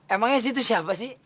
emangnya sih itu siapa sih